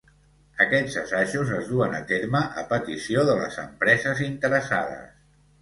Aquests assajos es duen a terme a petició de les empreses interessades.